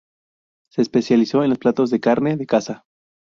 Se especializó en los platos de carne de caza.